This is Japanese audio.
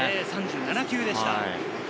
３７球でした。